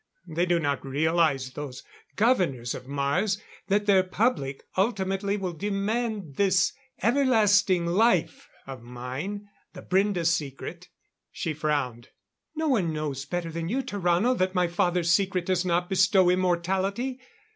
They do not realize, those governors of Mars, that their public ultimately will demand this Everlasting Life of mine the Brende secret " She frowned. "No one knows better than you, Tarrano, that my father's secret does not bestow immortality.